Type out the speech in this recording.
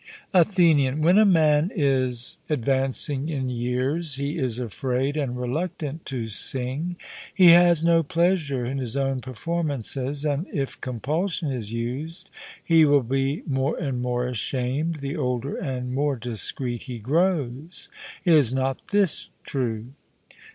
ATHENIAN: When a man is advancing in years, he is afraid and reluctant to sing; he has no pleasure in his own performances; and if compulsion is used, he will be more and more ashamed, the older and more discreet he grows; is not this true?